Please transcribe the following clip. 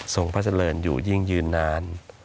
พระเจริญอยู่ยิ่งยืนนาน